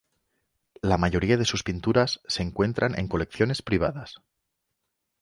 La mayoría de sus pinturas se encuentran en colecciones privadas.